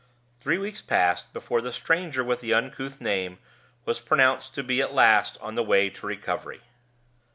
Three weeks passed before the stranger with the uncouth name was pronounced to be at last on the way to recovery.